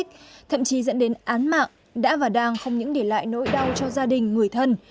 thậm chí dẫn đến án mạng đã và đang không những để lại nỗi đau cho gia đình người thân